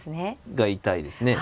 が痛いですね。